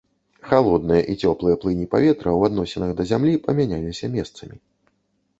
Халодныя і цёплыя плыні паветра ў адносінах да зямлі памяняліся месцамі.